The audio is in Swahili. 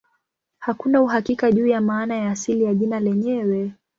Hakuna uhakika juu ya maana ya asili ya jina lenyewe.